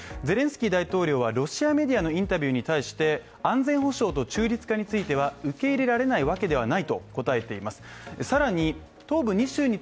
ゼレンスキー大統領はロシアメディアのインタビューに対して、安全保障と中立化については受け入れられないわけではないと答えています。